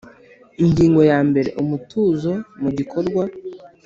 Ingingo ya mbere Umutuzo mu gikorwa